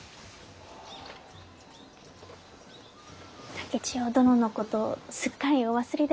竹千代殿のことすっかりお忘れでございましたね。